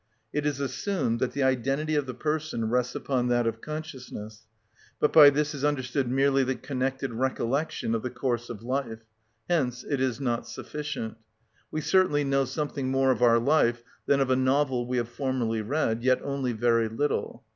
It is assumed that the identity of the person rests upon that of consciousness. But by this is understood merely the connected recollection of the course of life; hence it is not sufficient. We certainly know something more of our life than of a novel we have formerly read, yet only very little.